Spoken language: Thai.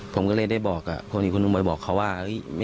ผมก็เลยได้บอกกับคนอื่นคนอื่นบ่อยบอกเขาว่า